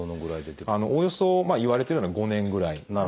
おおよそいわれてるのは５年ぐらい。